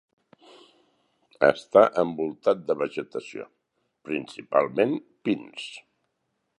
Està envoltat de vegetació, principalment pins.